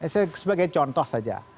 sebagai contoh saja